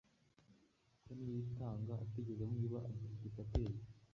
ko Niyitanga atigeze amwiba “amplificateur”